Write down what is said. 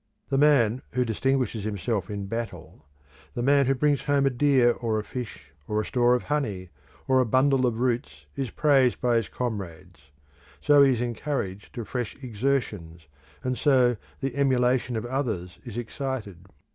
The man who distinguishes himself in battle; the man who brings home a deer, or a fish, or a store of honey, or a bundle of roots is praised by his comrades; so he is encouraged to fresh exertions, and so the emulation of others is excited.